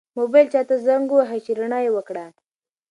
موبایل چا ته زنګ واهه چې رڼا یې وکړه؟